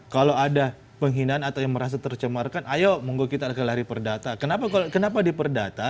kalau ada penghinaan atau yang merasa tercemarkan ayo kita akan lari perdata kenapa diperdata